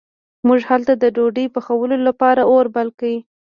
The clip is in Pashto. موږ هلته د ډوډۍ پخولو لپاره اور بل کړ.